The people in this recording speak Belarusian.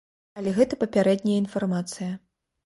Але гэта папярэдняя інфармацыя.